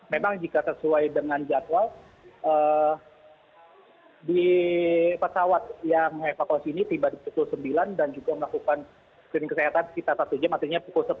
memang jika sesuai dengan jadwal di pesawat yang evakuasi ini tiba di pukul sembilan dan juga melakukan screening kesehatan sekitar satu jam artinya pukul sepuluh